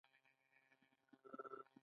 آیا لونګۍ د پښتنو د عزت او وقار نښه نه ده؟